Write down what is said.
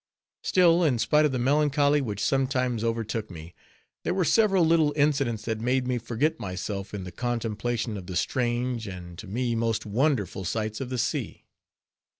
Still, in spite of the melancholy which sometimes overtook me, there were several little incidents that made me forget myself in the contemplation of the strange and to me most wonderful sights of the sea.